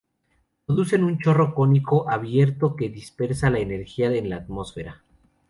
Producen un chorro cónico abierto que dispersa la energía en la atmósfera.